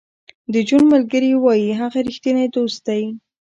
د جون ملګري وایی هغه رښتینی دوست و